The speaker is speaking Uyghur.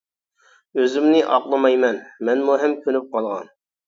ئۆزۈمنى ئاقلىمايمەن، مەنمۇ ھەم كۆنۈپ قالغان.